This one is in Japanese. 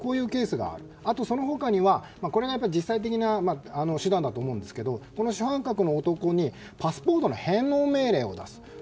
あと、その他にはこれが実際的な手段だと思うんですがこの主犯格の男にパスポートの返納命令を出す。